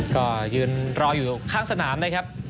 ก็รออยู่ข้างสนามได้ครับ